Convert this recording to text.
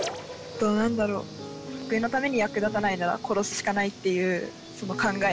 何だろうお国のために役立たないなら殺すしかないっていうその考え